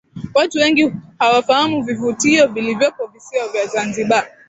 Watu wengi hawafahamu vivutio vilivyopo visiwa vya Zanzibar